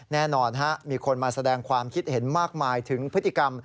แน่นอนมีคนมาแสดงความคิดเห็นมากมายถึงพฤติกรรม